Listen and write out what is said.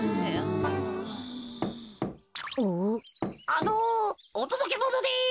あのおとどけものです。